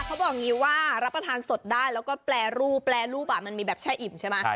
เขาบอกอย่างนี้ว่ารับประทานสดได้แล้วก็แปรรูปแปรรูปมันมีแบบแช่อิ่มใช่ไหม